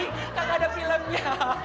gak ada filmnya